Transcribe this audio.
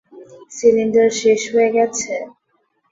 Cylinder শেষ হয়ে গেছে?